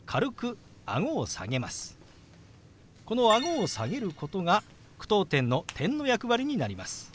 このあごを下げることが句読点の「、」の役割になります。